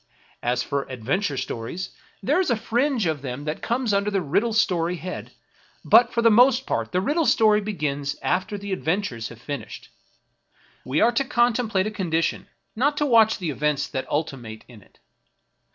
As for adventure stories, there is a fringe of them that comes under the riddle story head ; but for the most part the riddle story begins after the adventures have finished. We are to contemplate a condition, not to watch the events that ultimate in it.